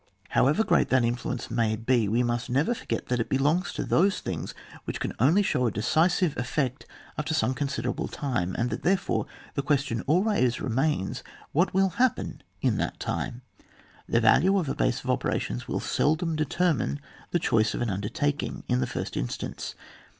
However great that influence may be, we must never forget that it belongs to those things which can only show a decisive effect after some considerable time, and that therefore the question always remains what may happen in that time. The value of a base of ope rations will seldom determine the choice of an undertaking in the first instance.